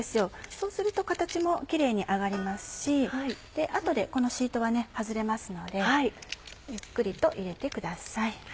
そうすると形もキレイに揚がりますし後でこのシートは外れますのでゆっくりと入れてください。